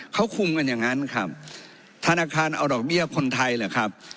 เขาคุมกันอย่างนั้นครับธนาคารเอาดอกเบี้ยคนไทยเหรอครับ